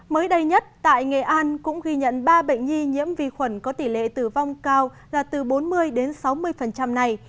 mới đây nhất tại nghệ an cũng ghi nhận ba bệnh nhi nhiễm vi khuẩn có tỷ lệ tử vong cao là từ bốn mươi đến sáu mươi này